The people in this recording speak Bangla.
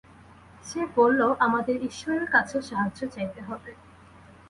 সে বলল আমাদের ইশ্বরের কাছে সাহায্য চাইতে হবে।